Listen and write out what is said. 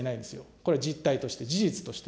これ実態として、事実として。